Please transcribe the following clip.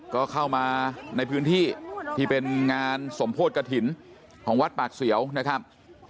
ก็เข้ามาในพื้นที่ที่เป็นงานสมโพธิกระถิ่นของวัดปากเสียวนะครับ